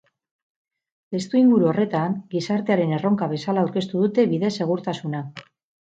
Testuinguru horretan, gizartearen erronka bezala aurkeztu dute bide segurtasuna.